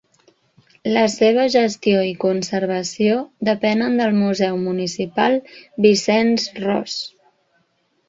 La seva gestió i conservació depenen del Museu Municipal Vicenç Ros.